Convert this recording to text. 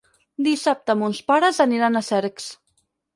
Dissabte mons pares aniran a Cercs.